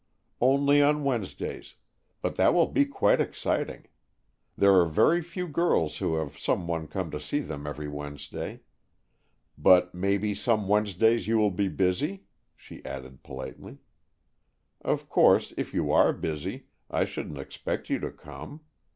"Only on Wednesdays. But that will be quite exciting. There are very few girls who have some one come to see them every Wednesday. But maybe some Wednesdays you will be busy?" she added politely. "Of course, if you are busy, I shouldn't expect you to come.